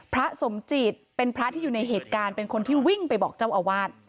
พระสมจิตเป็นพระที่อยู่ในเหตุการณ์เป็นคนที่วิ่งไปบอกเจ้าอาวาส